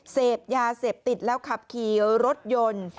เสพยาเสพติดแล้วขับขี่รถยนต์